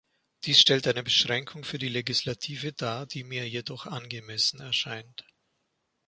Dies stellt eine Beschränkung für die Legislative dar, die mir jedoch angemessen erscheint.